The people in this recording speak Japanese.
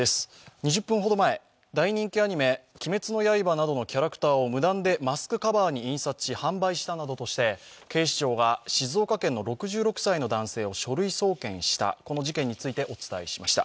２０分ほど前大人気アニメ「鬼滅の刃」などのキャラクターを無断でマスクカバーに印刷し、販売したなどとして、警視庁が静岡県の６６歳の男性を書類送検したこの事件についてお伝えしました。